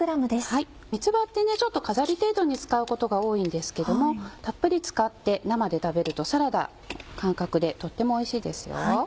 三つ葉って飾り程度に使うことが多いんですけどもたっぷり使って生で食べるとサラダ感覚でとってもおいしいですよ。